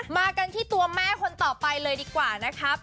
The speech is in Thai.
มากันที่ตัวแม่คนต่อไปเลยดีกว่านะครับ